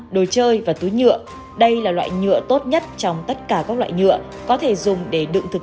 đồ chơi và túi nhựa đây là loại nhựa tốt nhất trong tất cả các loại nhựa có thể dùng để đựng thực